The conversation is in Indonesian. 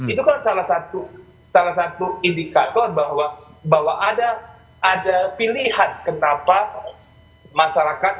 itu kan salah satu indikator bahwa ada pilihan kenapa masyarakat